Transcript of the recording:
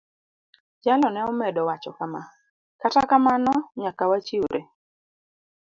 Jalo ne omedo wacho kama: "Kata kamano, nyaka wachiwre.